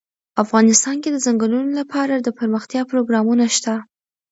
افغانستان کې د ځنګلونه لپاره دپرمختیا پروګرامونه شته.